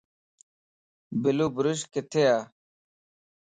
بلو بُروش ڪٿي ءَ ؟